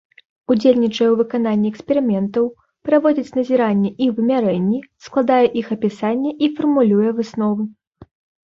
Удзельнічае ў выкананні эксперыментаў, праводзіць назіранні і вымярэнні, складае іх апісанне і фармулюе высновы.